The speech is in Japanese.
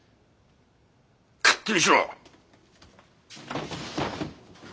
勝手にしろ！